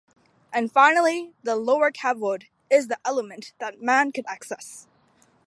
And finally, the lower Kavod is the element that man can access.